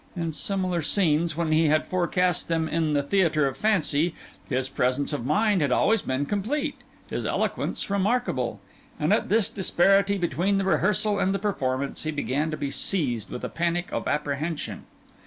In similar scenes, when he had forecast them on the theatre of fancy, his presence of mind had always been complete, his eloquence remarkable; and at this disparity between the rehearsal and the performance, he began to be seized with a panic of apprehension.